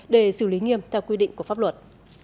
để xử lý nghiêm theo quy định của pháp luật